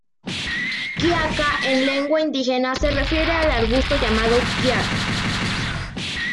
Quiaca en lengua indígena se refiere al arbusto llamado Quiaca.